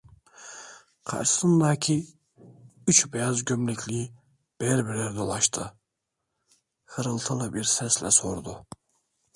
Karşısındaki üç beyaz gömlekliyi birer birer dolaştı, hırıltılı bir sesle sordu: